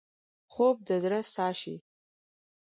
خوب د زړه ساه شي